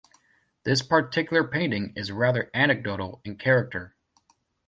This particular painting is rather anecdotal in character.